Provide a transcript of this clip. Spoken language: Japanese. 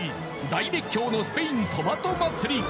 大熱狂のスペイントマト祭り